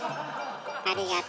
ありがと。